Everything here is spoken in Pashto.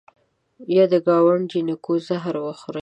یه د ګاونډ جینکو زهر وخورئ